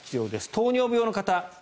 糖尿病の方。